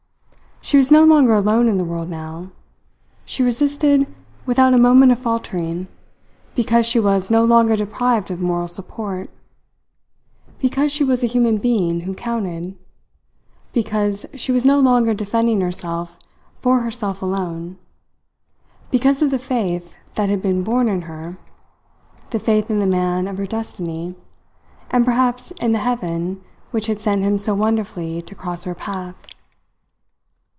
She was no longer alone in the world now. She resisted without a moment of faltering, because she was no longer deprived of moral support; because she was a human being who counted; because she was no longer defending herself for herself alone; because of the faith that had been born in her the faith in the man of her destiny, and perhaps in the Heaven which had sent him so wonderfully to cross her path.